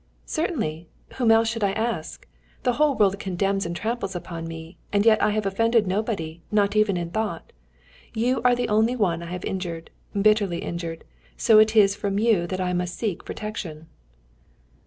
"Certainly! Whom else should I ask? The whole world condemns and tramples upon me, and yet I have offended nobody, not even in thought. You are the only one I have injured, bitterly injured, so it is from you that I must seek protection."